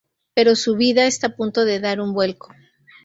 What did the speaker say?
Pero su vida está a punto de dar un vuelco.